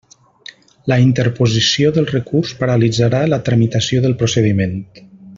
La interposició del recurs paralitzarà la tramitació del procediment.